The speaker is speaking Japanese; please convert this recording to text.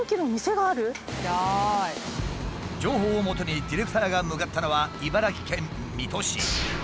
情報をもとにディレクターが向かったのは茨城県水戸市。